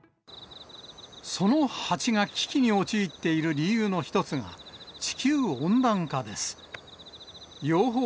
そのハチが危機に陥っている理由の一つが、地球温暖化です。